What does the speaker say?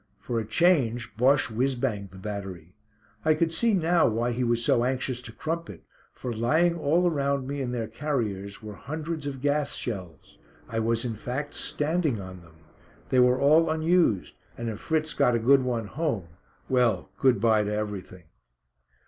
For a change Bosche whizz banged the battery. I could see now why he was so anxious to crump it, for lying all around me in their carriers, were hundreds of gas shells. I was in fact standing on them. They were all unused, and if Fritz got a good one home, well good bye to everything.